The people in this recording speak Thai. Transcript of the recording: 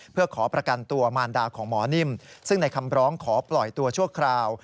เพื่อขอประกันตัวมารดาของหมอนิ่มซึ่งในคำร้องขอปล่อยตัวชั่วคราว